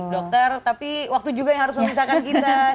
dokter tapi waktu juga yang harus memisahkan kita